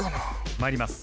参ります。